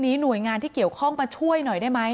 ไม่รู้ว่าจะช่วยลูกสาวแม่หน่อยได้ไหม